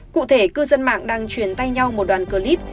cụ thể cư dân mạng đang chuyển tay nhau một đoạn clip